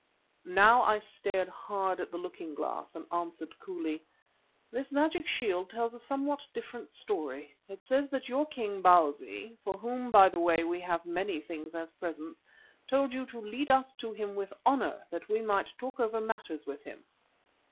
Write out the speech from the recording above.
Now I stared hard at the looking glass and answered coolly: "This magic shield tells a somewhat different story. It says that your king, Bausi, for whom by the way we have many things as presents, told you to lead us to him with honour, that we might talk over matters with him."